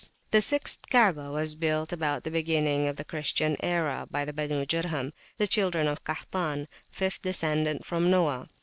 The sixth Kaabah was built about the beginning of the Christian era by the Benu Jurham, the children of Kahtan, fifth descendant from Noah.